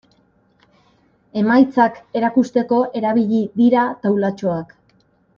Emaitzak erakusteko erabili dira taulatxoak.